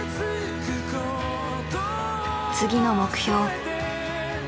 次の目標